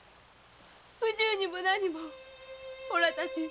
不自由にも何にもおらたち